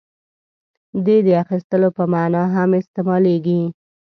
• دې د اخیستلو په معنیٰ هم استعمالېږي.